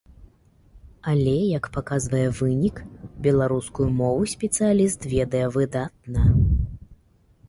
Але, як паказвае вынік, беларускую мову спецыяліст ведае выдатна.